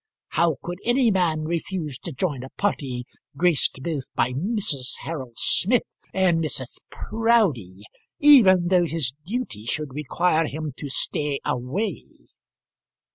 How could any man refuse to join a party, graced both by Mrs. Harold Smith and Mrs. Proudie even though his duty should require him to stay away?"